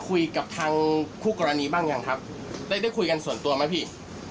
พี่ยอมรับใช่ไหมว่าพี่เมาว่ะครับดื่มไปเยอะไหมครับพี่